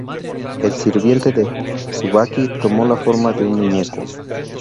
El sirviente de Tsubaki, toma la forma de un muñeco.